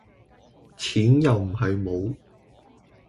錢又唔係無